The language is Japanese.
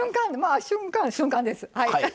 瞬間瞬間です。